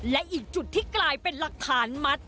และอีกจุดที่กลายเป็นหลักฐานมัด